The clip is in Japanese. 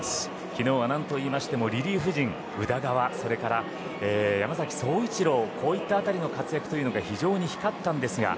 昨日は何といいましてもリリーフ陣の宇田川、山崎颯一郎とこういった辺りの活躍が非常に光ったんですが。